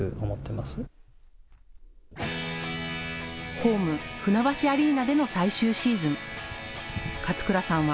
ホーム、船橋アリーナでの最終シーズン、勝倉さんは、